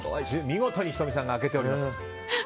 見事に仁美さんが開けております。